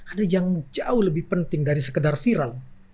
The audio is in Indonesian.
ada yang jauh lebih penting dari sekedar viral